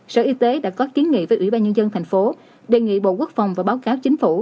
sở y tế đã có kiến nghị với ủy ban nhân dân thành phố đề nghị bộ quốc phòng và báo cáo chính phủ